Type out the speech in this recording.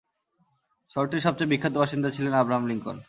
শহরটির সবচেয়ে বিখ্যাত বাসিন্দা ছিলেন আব্রাহাম লিঙ্কন।